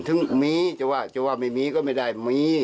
ถึงมีจะว่าจะว่าไม่มีก็ไม่ได้มี